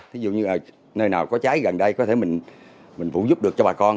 ví dụ như là nơi nào có cháy gần đây có thể mình phụ giúp được cho bà con